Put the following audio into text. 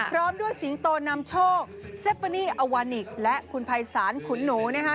พร้อมด้วยสิงโตนำโชคเซฟานีอวานิกและคุณภัยศาลขุนหนูนะคะ